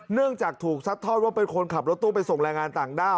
เนื่องจากถูกซัดทอดว่าเป็นคนขับรถตู้ไปส่งแรงงานต่างด้าว